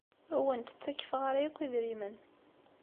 Ur awent-ttakfeɣ ara akk idrimen.